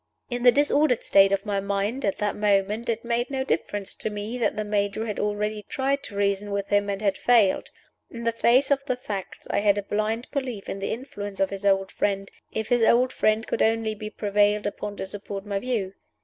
In the dis ordered state of my mind at that moment, it made no difference to me that the Major had already tried to reason with him, and had failed. In the face of the facts I had a blind belief in the influence of his old friend, if his old friend could only be prevailed upon to support my view.